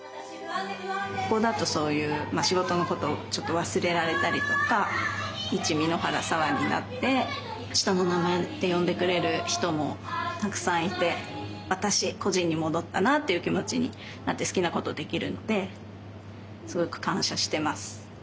ここだとそういう仕事のことをちょっと忘れられたりとか一簑原沙和になって下の名前で呼んでくれる人もたくさんいて私個人に戻ったなっていう気持ちになって好きなことをできるんですごく感謝してます。